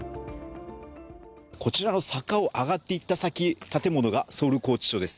こちらの坂を上がっていった先建物が、ソウル拘置所です。